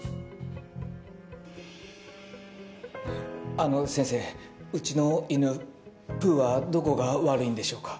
あの先生うちの犬プーはどこが悪いんでしょうか？